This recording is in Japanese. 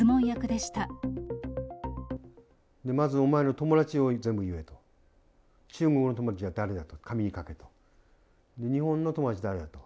で、まず、お前の友達を全部言えと、中国の友達は誰かと、紙に書けと。